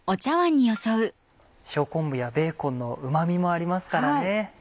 塩昆布やベーコンのうま味もありますからね。